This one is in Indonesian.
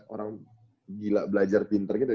orang gila belajar pinter gitu